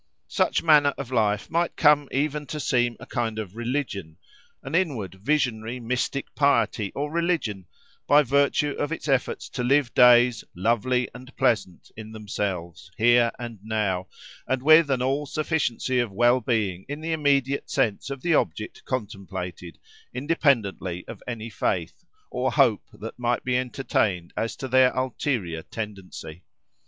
Such manner of life might come even to seem a kind of religion—an inward, visionary, mystic piety, or religion, by virtue of its effort to live days "lovely and pleasant" in themselves, here and now, and with an all sufficiency of well being in the immediate sense of the object contemplated, independently of any faith, or hope that might be entertained as to their ulterior tendency.